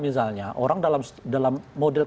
misalnya orang dalam model